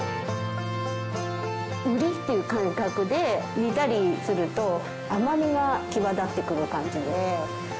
ウリっていう感覚で煮たりすると甘みが際立ってくる感じで。